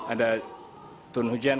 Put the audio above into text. ada turun hujan